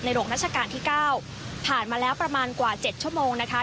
หลวงราชการที่๙ผ่านมาแล้วประมาณกว่า๗ชั่วโมงนะคะ